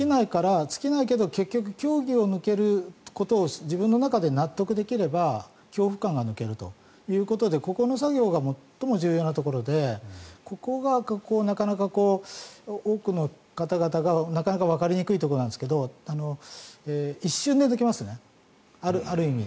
尽きないから、結局教義を抜けることを自分の中で納得できれば恐怖感が抜けるということでここの作業が最も重要なところでここがなかなか多くの方々がなかなかわかりにくいところなんですが一瞬で抜けますね、ある意味。